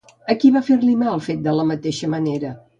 A qui va fer-li mal fet de la mateixa manera?